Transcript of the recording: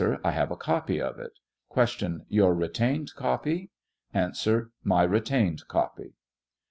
I have a copy of it. Q. Tour retained copy ? A. My retained copy.